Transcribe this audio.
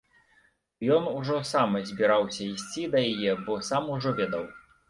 Ён ужо сам збіраўся ісці да яе, бо сам ужо ведаў.